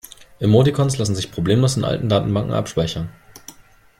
Emoticons lassen sich problemlos in alten Datenbanken abspeichern.